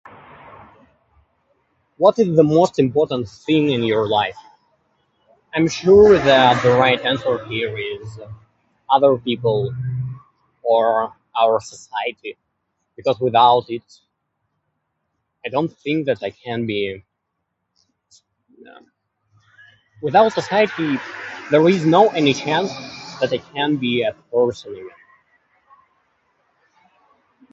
What is the most important thing in your life? I'm sure that the right answer here is other people, or our society. Because without it, I don't think that I can be... without society, there is no any chance that I can be the person I am.